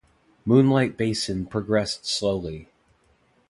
Moonlight Basin progressed slowly.